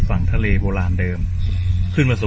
สวัสดีครับคุณผู้ชาย